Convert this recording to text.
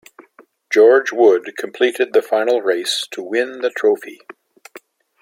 George Wood completed the final race to win the trophy.